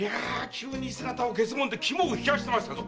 急に姿を消すもので肝を冷やしましたぞ！